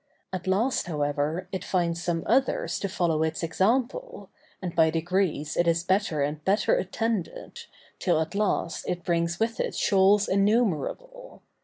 At last, however, it finds some others to follow its example, and by degrees it is better and better attended, till at last it brings with it shoals innumerable.